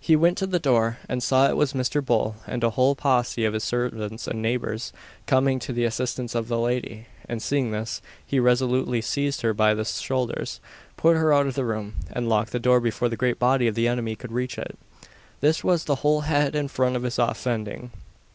He went to the door, and saw it was Mr. Bull, and a whole posse of his servants and neighbours, coming to the assistance of the lady; and seeing this, he resolutely seized her by the shoulders, put her out of the room, and locked the door before the great body of the enemy could reach it. This was the whole head and front of his offending.